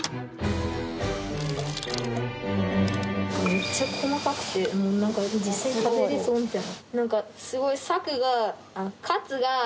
めっちゃ細かくてなんか実際に食べれそうみたい。